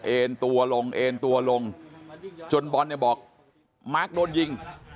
เอ็นตัวลงเอ็นตัวลงจนบอลเนี่ยบอกมาร์คโดนยิง